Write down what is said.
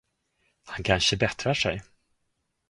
Han kanske bättrar sig.